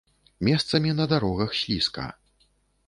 Месцамі на дарогах слізка.